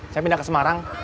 saya pindah ke semarang